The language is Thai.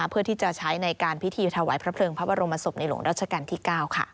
เพื่อที่จะใช้ในการพิธีถวายพระเพลิงพระบรมศพในหลวงรัชกาลที่๙